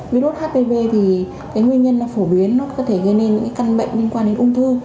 virus hpv thì nguyên nhân phổ biến có thể gây nên những căn bệnh liên quan đến ung thư